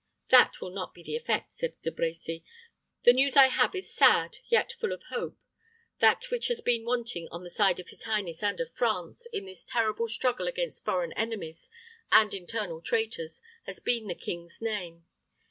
"That will not be the effect," said De Brecy. "The news I have is sad, yet full of hope. That which has been wanting on the side of his highness and of France, in this terrible struggle against foreign enemies and internal traitors, has been the king's name.